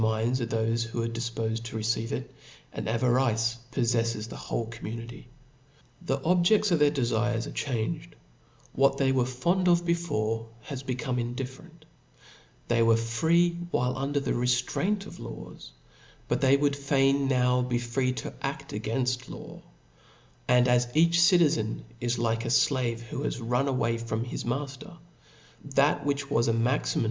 3. minds of thofe who ^re difpofed to receive ir,^ and avarice polTeffes the whole community. The objefts of their defires are changed; what they were fond of before, is become indifferent ; they were free< while undef the reltiraint of laws, but they w6uld fain now be free to adt agaiiifl: law ; and as each ci » tizen is like a flave who has run away from his ma« fter, what was a maxim.